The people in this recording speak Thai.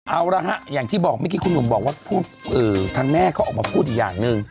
เอาละฮะอย่างที่บอกเมื่อกี้คุณหนุ่มบอกว่าทางแม่เขาออกมาพูดอีกอย่างหนึ่ง